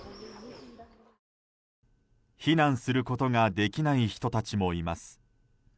避難することができない人たちもいます。